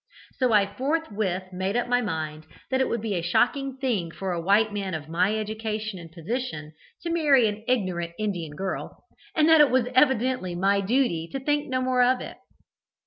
So I forthwith made up my mind that it would be a shocking thing for a white man of my education and position to marry an ignorant Indian girl, and that it was evidently my duty to think no more of it.